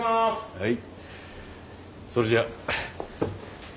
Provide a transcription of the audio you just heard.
はい。